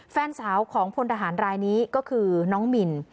แฟนสาวของพลทหารรายนี้ก็คือน้องมิน